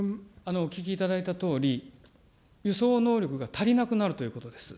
お聞きいただいたとおり、輸送能力が足りなくなるということです。